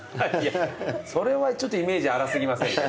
それはちょっとイメージ粗過ぎませんか。